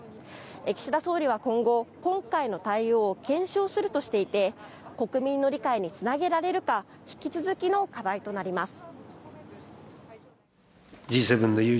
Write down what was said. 岸田総理は今後、今回の対応を検証するとしていて国民の理解につなげられるか引き続きの課題となります。